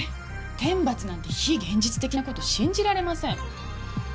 天罰なんて非現実的な事信じられません。